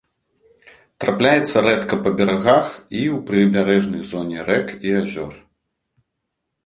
Трапляецца рэдка па берагах і ў прыбярэжнай зоне рэкі і азёр.